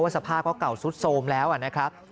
สภาพก็เก่าสุดโทรมแล้วนะครับ